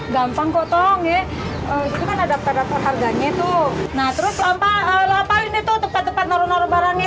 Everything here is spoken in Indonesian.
gampang kotong ya ada pada harganya tuh nah terus apa apa ini tuh tempat tempat naruh barangnya